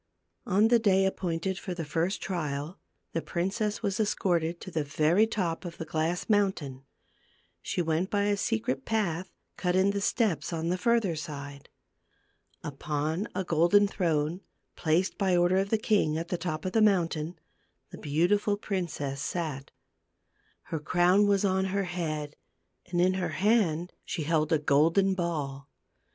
On the day appointed for the first trial, the princess was escorted to the very top of the glass mountain ; she went by a secret path cut in the steps, on the further side. Upon a golden throne, placed, by order of the king, at the top of the mountain, the beautiful princess sat. Her crown was on her head, and in her hand she held a golden ball.